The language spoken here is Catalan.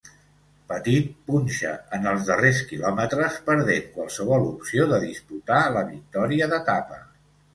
Petit punxa en els darrers kilòmetres perdent qualsevol opció de disputar la victòria d'etapa.